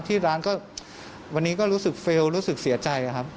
ที่ร้านก็วันนี้ก็รู้สึกเฟลล์รู้สึกเสียใจครับ